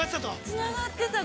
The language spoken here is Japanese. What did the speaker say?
◆つながってた。